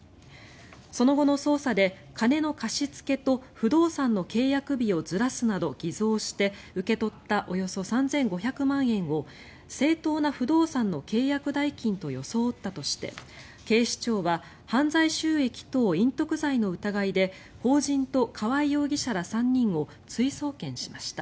その後の捜査で金の貸し付けと不動産の契約日をずらすなど偽造して受け取ったおよそ３５００万円を正当な不動産の契約代金と装ったとして、警視庁は犯罪収益等隠匿罪の疑いで法人と河合容疑者ら３人を追送検しました。